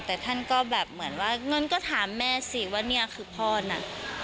แต่ท่านก็แบบเหมือนว่างั้นก็ถามแม่สิว่าเนี่ยคือพ่อน่ะ